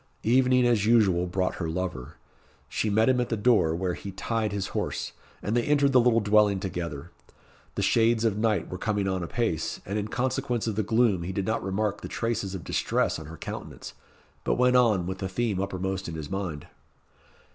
Evening as usual brought her lover. She met him at the door, where he tied his horse, and they entered the little dwelling together. The shades of night were coming on apace, and in consequence of the gloom he did not remark the traces of distress on her countenance, but went on with the theme uppermost in his mind.